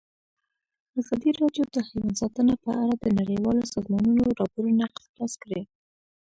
ازادي راډیو د حیوان ساتنه په اړه د نړیوالو سازمانونو راپورونه اقتباس کړي.